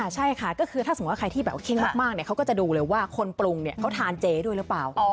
ใช่ค่ะก็คือถ้าสมมุติว่าใครที่แบบเข้งมากเขาก็จะดูเลยว่าคนปรุงเขาทานเจด้วยหรือเปล่า